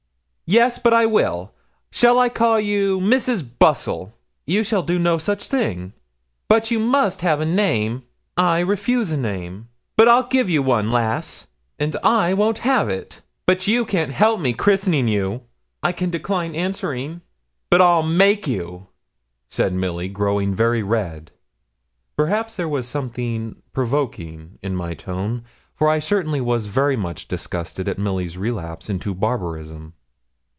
'Yes, but I will. Shall I call you Mrs. Bustle?' 'You shall do no such thing.' 'But you must have a name.' 'I refuse a name.' 'But I'll give you one, lass.' 'And I won't have it.' 'But you can't help me christening you.' 'I can decline answering.' 'But I'll make you,' said Milly, growing very red. Perhaps there was something provoking in my tone, for I certainly was very much disgusted at Milly's relapse into barbarism.